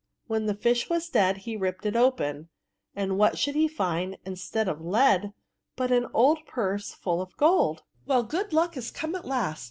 When the fish was dead he ripped it open; and what should he find, instead of lead, but an old purse full of gold !" Well, good luck is come at last!"